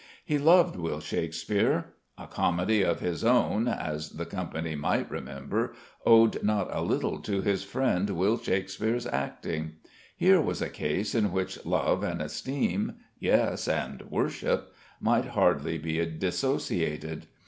He loved Will Shakespeare.... A comedy of his own (as the company might remember) owed not a little to his friend Will Shakespeare's acting.... Here was a case in which love and esteem yes, and worship might hardly be dissociated....